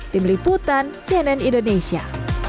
tim liputan cnn indonesia